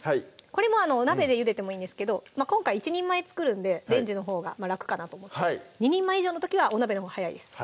これもお鍋でゆでてもいいんですけど今回１人前作るんでレンジのほうが楽かなと思って２人前以上の時はお鍋のほうが早いです